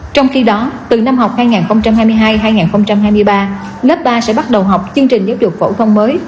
trong khi đó từ năm học hai nghìn hai mươi hai hai nghìn hai mươi ba lớp ba sẽ bắt đầu học chương trình giáo dục phổ thông mới